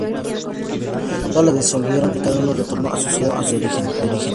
Todas las alianzas se disolvieron y cada uno retornó a sus ciudades de origen.